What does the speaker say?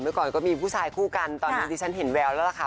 ก่อนก็มีผู้ชายคู่กันตอนนี้ที่ฉันเห็นแววแล้วล่ะค่ะ